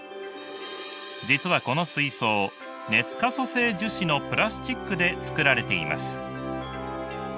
実はこの水槽熱可塑性樹脂のプラスチックで作られています。